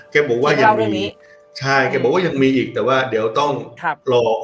แกบอกว่ายังมีใช่แกบอกว่ายังมีอีกแต่ว่าเดี๋ยวต้องรอ